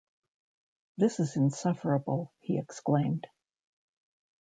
‘This is insufferable!’ he exclaimed.